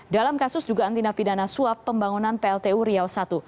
dalam kasus dugaan tindak pidana suap pembangunan pltu riau i